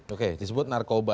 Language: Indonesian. oke disebut narkoba